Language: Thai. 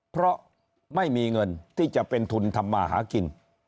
เพราะไม่มีเงินที่จะเป็นทุนทำมาหากิน